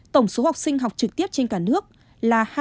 tổng số học sinh học trực tiếp trên cả nước là hai mươi một một một mươi chín